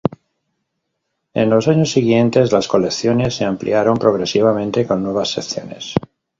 En los años siguientes, las colecciones se ampliaron progresivamente, con nuevas secciones.